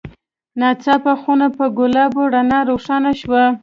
ناڅاپه خونه په ګلابي رڼا روښانه شوه.